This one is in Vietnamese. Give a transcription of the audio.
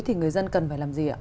thì người dân cần phải làm gì ạ